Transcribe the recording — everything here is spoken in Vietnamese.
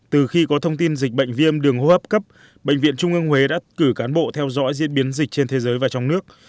từ khi có thông tin dịch bệnh viêm đường hô hấp cấp bệnh viện trung ương huế đã cử cán bộ theo dõi diễn biến dịch trên thế giới và trong nước